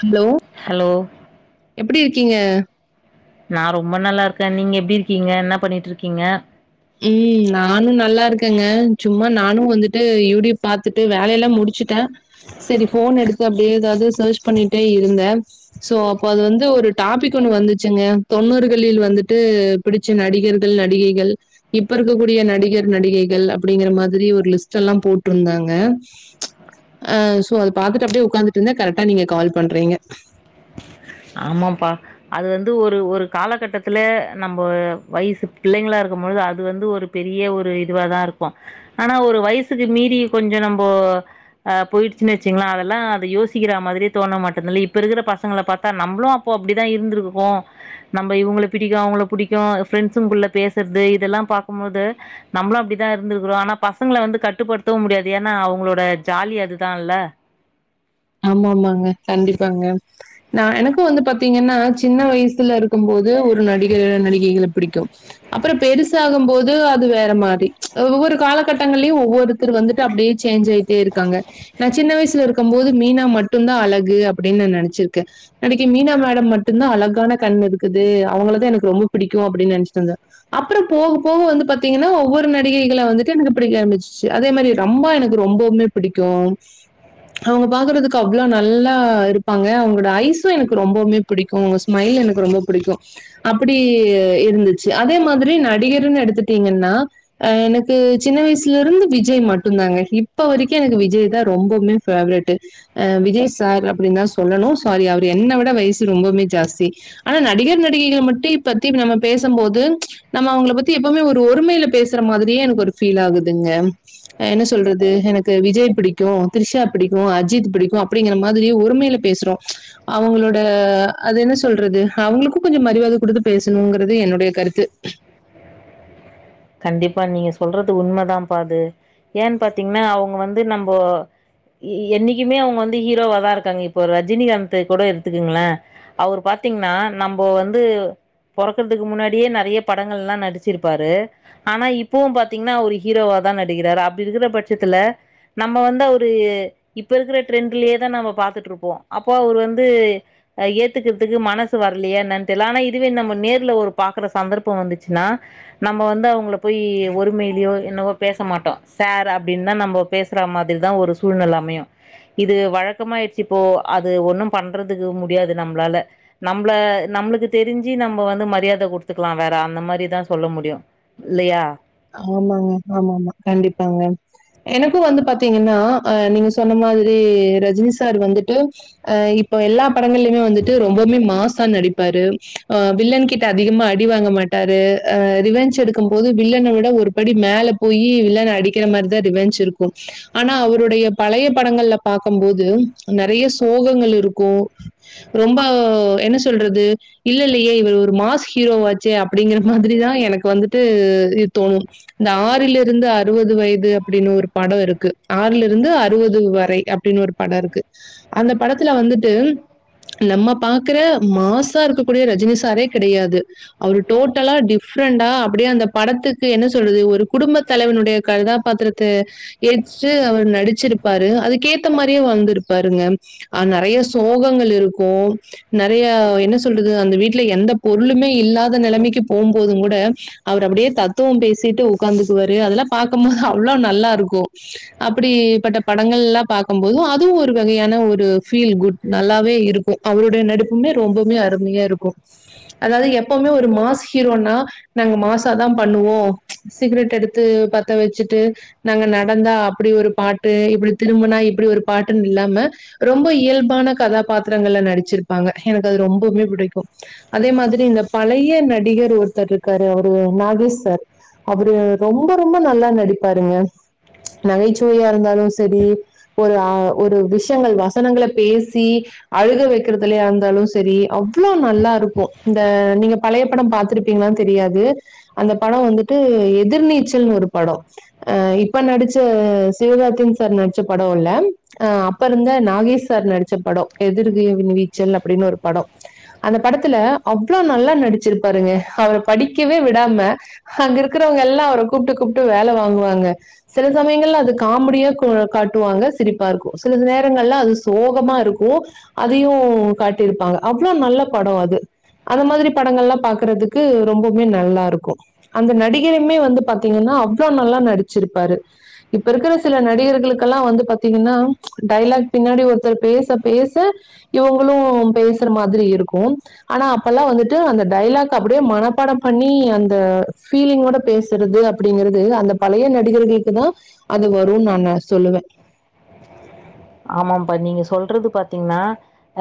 hello hello எப்பிடி இருக்கீங்க நா ரொம்ப நல்லா இருக்கே நீங்க எப்டி இருக்கீங்க என்ன பண்ணிட்ருக்கீங்க ம் நானு நல்லா இருக்கேங்க சும்மா நானு வந்துட்டு யூடியூப் பாத்துட்டு வேலையெல்லா முடிச்சுட்டே செரி‌ போன் எடுத்து அப்டியே ஏதாவது ‌செர்ச் பண்ணிட்டே இருந்த சோ அப்ப அது வந்து ஒரு டாபிக் ஒண்ணு வந்துச்சுங்க தொண்ணூறுகளில் வந்துட்டு பிடிச்ச நடிகர்கள் நடிகைகள் இப்ப இருக்க கூடிய நடிகர் நடிகைகள் அப்டிங்கிற மாதிரி ஒரு லிஸ்ட் எல்லா போட்ருந்தாங்க அ சோ அது பாத்துட்டு அப்டியே உக்காந்துட்ருந்தே கரெக்டா நீங்க கால் பண்றீங்க ஆமாபா அது வந்து ஒரு ஒரு காலகட்டத்துல நம்ப வயசு பிள்ளைங்களா இருக்கும்பொழுது அது வந்து ஒரு பெரிய ஒரு இதுவா தா இருக்கு ஆனா ஒரு வயசுக்கு மீறி கொஞ்ச நம்போ அ போய்டுச்சின் வச்சீங்ள அதெல்லா அத யோசிக்கிற மாதிரி தோண மாட்டுந்துல இப்ப இருக்குற பசங்கள பாத் ‌த்தா நம்புளு அப்போ அப்டிதா இர்ந்திருக்கோ நம்ப இவுங்கள பிடிக்கு அவுங்கள பிடிக்கு பிரெண்ட்ஸ்ஸுங்குள்ள‌ பேசற்து இதெல்லா பாக்கும் போது நம்புளு அப்டித்தா இருந்திருக்கிறோ ஆனா பசங்கள வந்து கட்டுப்படுத்தவு முடியாது ஏனா அவுங்ளோட ஜாலி அதுதால்ல ஆமா ஆமாங்க கண்டிப்பாங்க நா எனக்கு வந்து பாத்தீங்கன்னா சின்ன வயசுல இரு க்கும்‌ போது ஒரு நடிக நடிகைகள பிடிக்கு அப்பற பெருசாகும்போது து அதுவேற மாறி‌ ஒவ்வொரு காலகட்டங்கள்லயு ஒவ்வொருத்தர் வந்துட்டு அப்டியே சேஞ்ச் ஆயிட்டே இருக்காங்க நா சின்ன வயசுல இருக்கம் போது மீனா மட்டுந்தா அழகு அப்டினு நெனச்சிருக்கே அன்னக்கி மீனா மேடம் மட்டுந்தா அழகான கண் இருக்குது அவுங்கள தா எனக்கு ரொம்ப பிடிக்கு அப்டின் நென்ச்சிட்ருந்த அப்பறம் போக போக வந்து பாத்தீங்கன்னா ஒவ்வொரு நடிகைகள வந்துட்டு எனக்கு பிடிக்க ஆம்பிச்சுச்சு அதே மாறி ரம்பா எனக்கு ரொம்பவுமே பிடிக்கு அவுங்க பாக்குறதுக்கு அவ்ளோ நல்லா இருப்பாங்க அவுங்களோட ஐஸும் எனக்கு ரொம்பவுமே பிடிக்கு அவுங்க ஸ்மைல் எனக்கு ரொம்ப பிடிக்கு அப்டி இருந்துச்சு அதே மாதிரி நடிகர்னு எடுத்துட்டீங்கன்னா அ எனக்கு சின்ன வயசுல இருந்து விஜய் மட்டுந்தாங்க இப்ப வரிக்கு எனக்கு விஜய் தா ரொம்பவுமே ஃபேவ்ரெட் அ விஜய் சார் அப்டின்னுதா சொல்லனு சாரி அவரு என்ன விட வயசு ரொம்பவுமே ஜாஸ்தி ஆனா நடிகர் நடிகைகள மட்டு இப்பத்திக் நம்ம பேசு போது நம்ம அவுங்கள பத்தி எப்பவுமே ஒரு ஒருமைல பேசற மாதிரியே எனக்கு ஒரு ஃபீல் ஆகுதுங்க அ என்ன சொல்றது எனக்கு விஜய் பிடிக்கு திரிஷா பிடி கு அஜித் பிடிக்கு அப்டிங்கிற மாதிரி ஒருமைல பேசுறோ அவுங்களோட அது என்ன சொல்றது அவுங்களுக்கு கொஞ்சோ மருவாத குடுத்து பேசனுங்கறது என்னுடைய கருத்து கண்டிப்பா நீங்க சொல்றது உண்மதா பா அது ஏன் பாத்தீங்னா அவுங்க வந்து நம்போ என்னிக்குமே அவுங்க வந்து ஹீரோவா தா இருக்காங்க இப்போ ரஜினிகாந்த்து கூட எடுத்துக்குங்ள அவரு பாத்தீங்னா நம்போ வந்து பொறக்குறதுக்கு முன்னாடியே நெறைய படங்கள்ளா நடிச்சிரு பாரு ஆனா இப்பவு பாத்தீங்னா அவர் ஹீரோவா தா நடிக்கிறாரு அப்டி இருக்குற பட்சத்துல நம்ப வந்து அவரு இப்ப இருக்கற ட்ரெண்ட்லேயே தா நாம்ம பாத்துட்ருப்போ அப்போ அவரு வந்து அ ஏத்துக்குறதுக்கு மனசு வரலையா என்னன் தெரில ஆனா இதுவே நம்ம நேர்ல ஒரு பாக்குற சந்தர்ப்போ வந்துச்சினா நம்ப வந்து அவுங்கள போயி ஒருமையிலியோ என்னவோ பேச மாட்டோ சார் அப்டின் தா நம்போ பேசுற மாதிரிதா ஒரு சூழ்நெல அமையு இது வழக்கமாயிட்ச்சுப்போ அது ஒண்ணு பண்றதுக்கு முடியாது நம்ப்ளால நம்பள நம்முளுக்கு தெரிஞ்சி நம்ப வந்து மரியாத குடுத்துக்லா வேற அந்த மாரிதா சொல்ல முடியு இல்லையா ஆமாங்க ஆமாமா‌ கண்டிப்பாங்க எனக்கு வந்து பாத்தீங்கனா அ நீங்க சொன்ன மாதிரி ரஜினி சார் வந்துட்டு அ இப்ப எல்லா படங்கள்ளயுமே வந்துட்டு ரொம்பவுமே மாசா நடிப்பாரு ஆ வில்லன் கி ட்ட அதிகமா அடி வாங்க மாட்டாரு அ ரிவென்ஞ் எடுக்கு போது வில்லன வு ட ஒரு படி மேல போயி வில்லன அடிக்கிற மாரிதா ரிவெஞ்ச் இருக்கு ஆனா அவருடைய பழைய படங்கள்ல பாக்கு போது நெறய சோகங்கள் இருக்கு ரொம்ப என்ன சொல்றது இல்ல இல்லையே இவரு ஒரு மாஸ் ஹீரோ வா சே அப்டிங்கற மாதிரிதா எனக்கு வந்துட்டு இத் தோனு இந்த ஆறுல இருந்து அறுவது வயது அப்டின்னு ஒரு படோ இருக்கு ஆறுல இருந்து அறுவது வரை அப்டினு ஒரு பட இருக்கு அந்த படத்துல வந்துட்டு நம்ம பாக்கற மாசா இருக்கக் கூடிய ரஜினி சாரே கெடயாது அவரு டோட்டலா டிஃப்ரெண்டா அப்டியே அந்த படத்துக் கு என்ன சொல்றது ஒரு குடும்ப தலைவனுடைய கதாபாத்திரத்த ஏற்று அவர் நடிச்சிருப்பாரு அதுக்கேத்த மாரியே வந்திருப்பாருங்க ஆ நெறய சோகங்கள் இருக்கு நெறைய என்ன சொல்றது அந்த வீட்ல எந்த பொருளுமே இல்லாத நெலமைக்கு போம்போது கூட அவரு அப்டியே தத்துவம் பேசிட்டு உக்காந்துக்குவாரு அதெல்லா பாக்கு போது அவ்ளோ நல்லாருக்கு அப்டிப் பட்ட படங்கள்ளா பாக்கு போது அதுவு ஒரு வகையான ஒரு ஃபீல் குட் நல்லாவே இருக்கு அவருடைய நடிப்புமே ரொம்பமே அருமையா இருக்கு அதாவது எப்பவுமே ஒரு மாஸ் ஹீரோனா நாங்க மாசாதா பண்ணுவோ சிகரெட் எடுத்து பத்த வச்சுட்டு நாங்க நடந்தா அப்டி ஒரு பாட்டு இப்டி திரும்புனா இப்டி ஒரு பாட்டுன் இல்லாம ரொம்ப இயல்பான கதாபாத்திரங்கள்ல நடிச்சிருப்பாங்க எனக்கு அது ரொம்பவுமே புடிக்கு அதே மாதிரி இந் த பழைய நடிகர் ஒருத்தர் இருக்காரு அவரு நாகேஷ் சார் அவரு ரொம்ப ரொம்ப நல்லா நடிப்பாருங்க நகைச்சுவையா இருந்தாலு செரி ஒரு அ ஒரு விஷயங்கள் வசனங்கள பேசி அழுக வைக்கறதுலயாருந்தாலு சேரி அவ்ளோ நல்லா இருக்கு இந்த நீங்க பழைய படோ பாத்திருப்பீங்களானு தெரியாது அந்த படோ வந்துட்டு எதிர் நீச்சல்னு ஒரு படோ அ இப்ப நடிச்ச சிவகார்த்திகேயன் சார் நட்ச்ச படோ இல்ல அ அப்ப இருந்த நாகேஸ் சார் நடிச்ச படோ எதிர் வி நீச்சல் அப்டின்னு ஒரு படோ அந்த படத்துல அவ்ளோ நல்லா நடிச்சிருப்பாருங்க அவர படிக்கவே விடாம அங் இருக்றவங்க எல்லா அவர கூப்புட்டு கூப்புட்டு வேல வாங்குவாங்க சில சமயங்கள்ல அது காமடியா கொ காட்டுவாங்க சிரிப்பாருக்கு சில நேரங்கள்ல அது சோகமாருக்கு அதயு காட்டிருப்பாங்க அவ்ளோ நல்ல படோ அது அந்த மாதிரி படங்கள்லா பாக்குறதுக்கு ரொம்பவுமே நல்லா இருக்கு அந்த நடிகருமே வந்து பாத்தீங்கன்னா அவ்ளோ நல்லா நடிச்சுருப்பாரு இப்ப இருக்குற சில நடிகர்களுக்கெல்லா வந்து பாத்தீங்கன்னா டைலாக் பின்னாடி ஒருத்தர் பேச பேச இவுங்களு பேசுற மாதிரி இருக்கு ஆனா அப்பல்லா வந்துட்டு அந்த டைலாக் அப்டியே மனப்பாடோ பண்ணி அந்த ஃபீலிங்கோட பேசுறது அப்டிங்கறது அந்த பழய நடிகர்களுக்கு தா அது வருன் நானு சொல்லுவே ஆமாப்பா நீங்க சொல்றது பாத்தீங்ன்னா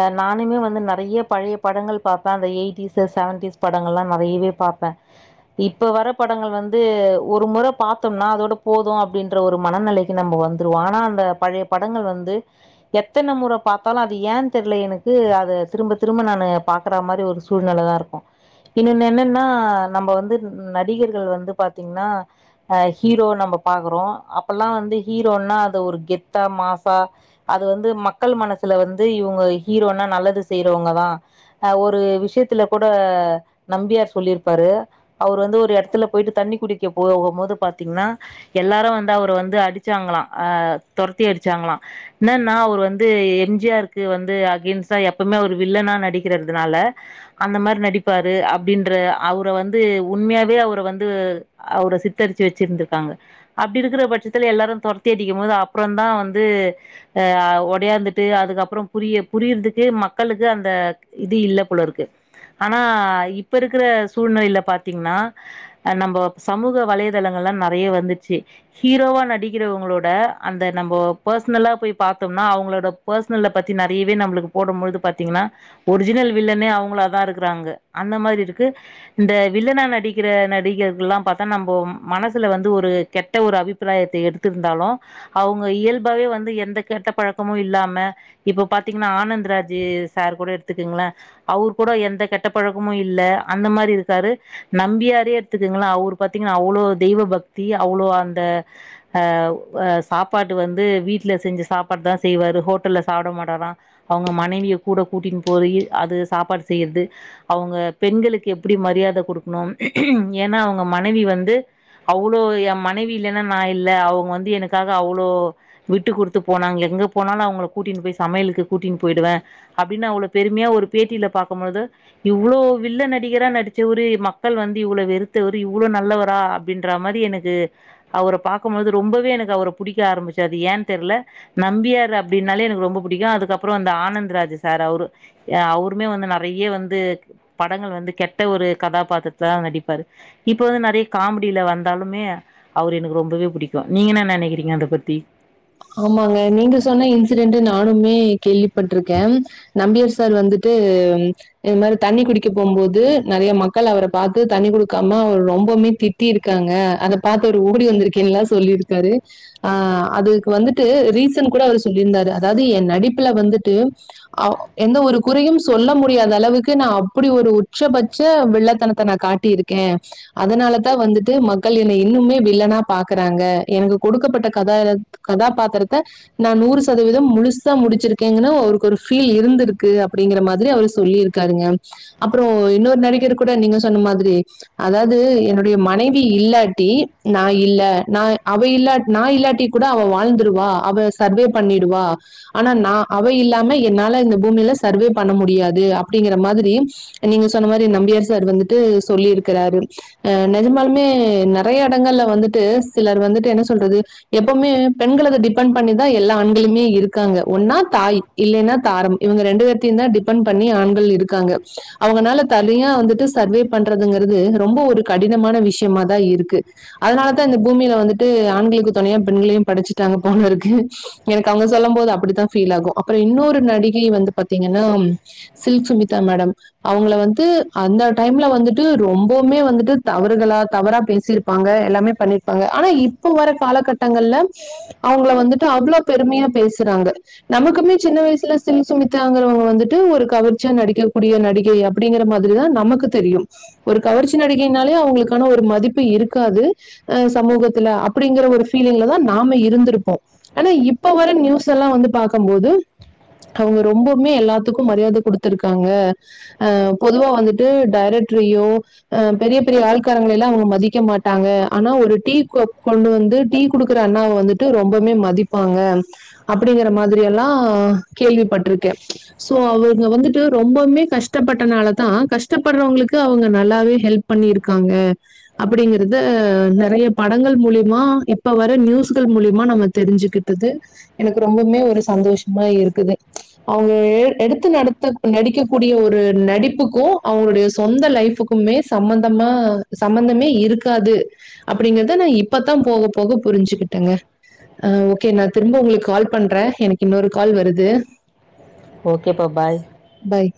அ நானுமே வந்து நறைய பழைய படங்கள் பாப்பே அந்த எயிட்டிஸ்சு செவன்டிஸ் படங்கள்லா நெறயவே பாப்பே இப்ப வர படங்கள் வந்து ஒரு முற பாத்தோம்னா அதோட போது அப்டின்ற ஒரு மனநெலை க்கு நம்ப வந்துருவோ ஆனா அந்த பழைய படங்கள் வந்து எத்தன முற பாத்தாலு அது ஏன் தெர்ல எனக்கு அத திரும்ப திரும்ப நானு பா க்ற மாரி ஒரு சூழ்நெலதா இருக்கு இன்னொன்னு என்னன்னா நம்ப வந்து நடிகர்கள் வந்து பாத்தீங்ன்னா அ ஹீரோ நம்ப பாக்குறோ அப்பல்லா வந்து ஹீரோன்னா அது ஒரு கெத்தா மாசா அது வந்து மக்கள் மனசுல வந்து இவுங்க ஹீரோனா நல்லது செய்றோங்கதா அ ஒரு விஷயத்துல கூட நம்பியார் சொல்லியிருப்பாரு அவுரு வந்து ஒரு எடத்ல போயிட்டு தண்ணி குடிக்க போகுபோது பாத்தீங்ன்னா எல்லாரு வந்து அவுர வந்து அடிச்சாங்ளா அ தொரத்தி அடிச்சாங்ளா என்னன்னா அவுரு வந்து எம்ஜிஆருக்கு வந்து அகேன்ஸ்டா எப்பவுமே ஒரு வில்லனா நடிக்றதுனால அந்த மாரி நடிப்பாரு அப்டின்ற அவுர வந்து உண்மையாவே அவுர வந்து அவுர சித்தரிச்சு வச்சிருந்திருக்காங்க அப்டிருக்கிற பட்சத்துல எல்லாரு தொரத்தி அடிக்கு போது அப்றோ தா வந்து அ ஒடியாந்துட்டு அதுக்கப்றோ புரிய புரியதுக்கே மக்களுக்கு அந்த இது இல்ல போலருக்கு ஆனா இப்ப இருக்ற சூழ்நெலைல பாத்தீங்ன்னா நம்போ சமூக வலைதளங்கள்லா நறைய வந்துச்சு ஹீரோவா நடிக்கிறவங்களோட அந்த நம்போ பர்சனலா போய் பாத்தோம்னா அவுங்களோட பர்சனல்ல பத்தி நறையவே நம்ப்ளுக்கு போடு பொழுது பாத்தீங்ன்னா ஒரிஜினல் வில்லனே அவுங்கள தா இருக்றாங்க அந்த மாரி இருக்கு இந்த வில்லனா நடிக்கிற நடிகர்கல்லா பாத்தா நம்போ மனசுல வந்து ஒரு கெட் ட‌ ஒரு அபிப்பிராயத்த எடுத்திருந்தாலு அவுங்க இயல்பாவே வந்து எந்த கெட்ட பழக்கமு இல்லாம இப்போ பாத்தீங்ன்னா ஆனந்த்ராஜு சார் கூட எடுத்துக்குங்ளே அவுரு கூட எந்த கெட்ட பழக்கமு இல்ல அந்த மாரி இருக்காரு நம்பியாரே எத்துக்குங்ள அவுரு பாத்தீங்ன்னா அவ்ளோ தெய்வ பக்தி அவ்ளோ அந்த ஆவ் அ சாப்பாட்டு வந்து வீட்ல செஞ்ச சாப்பாடு தா செய்வாரு ஹோட்டல்ல சாப்ட மாட்டாறா அவங்க மனைவிய கூட கூட்டின் போயி அது சாப்பாடு செய்யது அவங்க பெண்களுக்கு எப்டி மரியாத கொடுக்கணும் ஏன்னா அவங்க மனைவி வந்து அவ்ளோ எ மனைவி இல்லன்னா நா இல்ல அவங்க வந்து எனக்காக அவ்ளோ விட்டு குடுத் து போனாங்க எங்க போனாலு அவங்கல கூட்டின்னு போய் சமையலுக்கு கூட்டின் போய்டுவே அப்டின்னு அவ்ளோ பெருமையா ஒரு பேட்டியில பாக்கும் பொழுது இவ்ளோ வில்ல நடிகரா நடிச்ச ஒரு மக்கள் வந்து இவ்ளோ வெறுத்தவரு இவ்வளோ நல்லவரா அப் டின்ற மாரி எனக்கு அவர பாக்கும் பொழுது ரொம்பவே எனக்கு அவர புடிக்க ஆரம்பிச்சது ஏன் தெர்ல நம்பியார் அப்டின்னாலே எனக்கு ரொம்ப புடிக்கும் அதுக்கப்புறோ அந்த ஆனந்த் ராஜ் சார் அவுரு ய அவுருமே வந்து நறைய வந்து படங்கள் வந்து கெட்ட ஒரு கதாபாத்திரத் தா நடிப்பாரு இப்போ வந்து நெறைய காமெடியில வந்தாலுமே அவரு எனக்கு ரொம்பவே புடிக்கு நீங்க என்ன நனைக்கிறீங்க அத பத்தி ஆமாங்க நீங்க சொன்ன இன்சிடென்ட்டு நானுமே கேள்வி பட்ருக்கே நம்பியூர் சார் வந்துட்டு இது மாரி தண்ணி குடிக்க போம் போது நெறைய மக்கள் அவர பாத்து தண்ணி குடுக்காம அவர் ரொம்பமே திட் டி‌ இருக்காங்க அத பாத்து அவரு ஓடி வந்திருக்கேன்னல்லா சொல்லிருக்காரு ஆ அது வந்துட்டு ரீசன் கூட அவரு சொல்லியிருந்தாரு அதாவது எ நடிப்புல வந்துட்டு எந்த ஒரு குறையும் சொல்ல முடியாத அளவுக்கு நா அப்படி ஒரு உச்சபச்ச விள்ளத்தனத்த நா காட் டி இருக்கே அதனாலதா வந்துட்டு மக்கள் என்னை இன்னுமே வில்லனா பாக்கறாங்க எனக்கு கொடுக்கப்பட்ட கத கதாபாத்தரத்த நா நூறு சதவீதம் முழுசா முடிச்சிருக்கேங்கன்னு அவருக்கு ஒரு ஃபீல் இருந்திருக்கு அப்படிங்கிற மாதிரி அவரு சொல்லியிருக் காருங்க அப்புறோ இன்னொர் நடிகர் கூட நீங்க‌ சொன்ன மாதிரி அதாவது என்னுடைய மனைவி இல்லாட்டி நா இல்ல நா அவ இல்லாட் நா இல்லாட்டி கூட அவ வாழ்ந்துருவா அவ சர்வே பண்ணிடுவா ஆனா நா அவ இல்லாம என்னால இந்த பூமியில சர்வே பண்ண முடியாது அப்டிங்கற மாதிரி நீங்க சொன்ன மாரி நம்பியார் சார் வந்துட்டு சொல்லிருக்கிறாரு அ நெஜமாலுமே நெறய இடங்கள்ல வந்துட்டு சிலர் வந்துட்டு என்ன சொல்றது எப்பம்மே பெண்களத டிபெண்ட் பண்ணிதா எல்லா ஆண்களுமே இருக்காங்க ஒன்னா தாய் இல்லன்னா தாரம் இவுங்க ரெண்டு பேத்தையு தா டிபெண்ட் பண்ணி ஆண்கள் இருக்காங்க அவுங்கனால தனியா வந்துட்டு சர்வே பண்றதுங்கறது ரொம்ப ஒரு கடினமான விஷ்யமாதா இருக்கு அதனாலதா இந்த பூமில வந்துட்டு ஆண்களுக்கு துணையா பெண்களையும் படச்சுட்டாங்க போலருக்கு எனக்கு அவங்க சொல்லம் போது அப்படித்தா ஃபீல் ஆகு அப்பற இன்னொரு நடிகை வந்து பாத்தீங்கன்னா சில்க் சுமிதா மேடம் அவுங்கள வந்து அந்த டைம்ல வந்துட்டு ரொம்பம்மே வந்துட்டு தவறுகளா தவறா பேசிருப் பாங்க எல்லாமே பண்ணிப்பாங்க ஆனா இப்ப வர காலகட்டங்கள்ல அவுங்கள வந்துட்டு அவ்ளோ பெருமையா பேசுறாங்க நமக்குமே சின்ன வயசுல சில்க் சுமிதாங்கிறவங்க வந்துட்டு ஒரு கவர்ச்சியா நடிக்கக்கூடிய நடிகை அ அப்படிங்கிற மாதிரிதா நமக்கு தெரியும் ஒரு கவர்ச்சி நடிகைனாலே அவுங்களுக்கான ஒரு மதிப்பு இருக்காது அ சமூகத்துல அப்படிங்கற ஒரு பீலிங்லதா நாம இருந்திருப்போ ஆனா இப்ப வர நியூஸ் எலா வந்து பாக்கம் போது அவுங்க ரொம்பம்மே எல்லாத்துக்கும் மரியாத குடுத்துருக்காங்க அ பொதுவா வந்துட்டு டைரக்ட்ரையோ அ பெரிய பெரிய வாழ்காரங்கல்லா அவுங் மதிக்க மாட்டாங்க் ஆனா ஒரு டீ கோப் கொண்டு வந்து டீ குடுக்குற அண்ணாவ வந்துட்டு ரொம்பமே மதிப்பாங்க அப்டிங்கற மாரி எல்லா கேள்விப்பட்ருக்கே சோ அவங்க வந்துட்டு ரொம்பமே கஷ்டப்பட்டனால தா கஷ்டப்படுறவங்களுக்கு அவுங்க நல்லாவே ஹெல்ப் பண்ணியிருக்காங்க அப்டிங்கறத நெறய படங்கள் மூலமா இப்ப வர நியூஸ்கள் மூலியமா நம்ம தெரிஞ்சுகிட்டது எனக்கு ரொம்பவுமே ஒரு சந்தோஷமா இருக்குது அவுங்க எடுத்து நடத்து நடிக்கக்க கூடிய ஒரு நடிப்புக்கு அவுங்களுடைய சொந்த லைஃபக்கு மே சம்பந்தமா சம்பந்தமே இருக்காது அப்டிங்கறத நா இப்த்தா போக போக போக புரிஞ்சுகிட்டேங்க அஹ் ஓகே நா திரும்ப உங்களுக்கு கால் பண்றே எனக்கு இன்னொரு கால் வருது ஓகே ப்பா பாய் பைய்